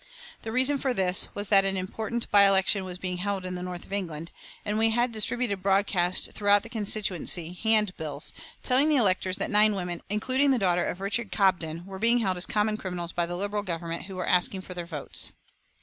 The reason for this was that an important by election was being held in the north of England, and we had distributed broadcast throughout the constituency hand bills telling the electors that nine women, including the daughter of Richard Cobden, were being held as common criminals by the Liberal Government who were asking for their votes.